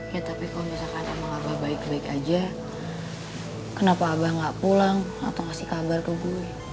ya tapi kalau misalkan emang abah baik baik aja kenapa abah gak pulang atau ngasih kabar ke gue